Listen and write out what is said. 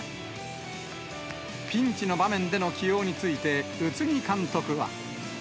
ピンチの場面での起用について、宇津木監督は。